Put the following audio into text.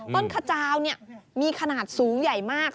ต้นคาจาวนี่มีขนาดสูงใหญ่มาก